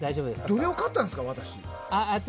どれを買ったんですか？